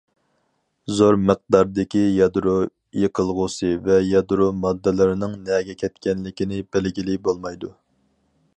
زور مىقداردىكى يادرو يېقىلغۇسى ۋە يادرو ماددىلىرىنىڭ نەگە كەتكەنلىكىنى بىلگىلى بولمايدۇ.